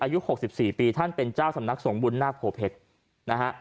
อายุ๖๔ปีท่านเป็นเจ้าสำนักสงบุญนาคโพเพชรนะฮะ